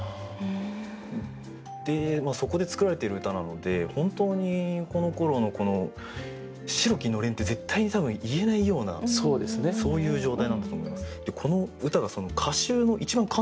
でそこで作られている歌なので本当にこのころの「白きのれん」って絶対に多分言えないようなそういう状態なんだと思います。